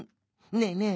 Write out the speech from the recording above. ねえねえ